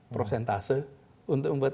prosentase untuk membuat